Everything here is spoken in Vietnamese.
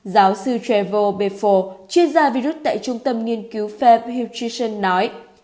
giáo sư trevor befo chuyên gia virus tại trung tâm nghiên cứu phép houston nói